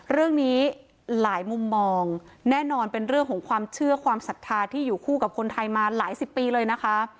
เรื่องนี้หลายมุมมองแน่นอนเป็นเรื่องของความเชื่อความศรัทธาที่อยู่คู่กับคนไทยมาหลายสิบปีเลยนะคะ